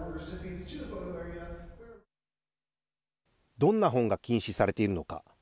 どんな本が禁止されているのか。